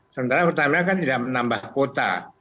sementara utamanya kan tidak menambah kuota